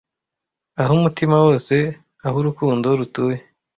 ah umutima wose aho urukundo rutuye